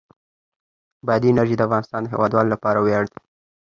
بادي انرژي د افغانستان د هیوادوالو لپاره ویاړ دی.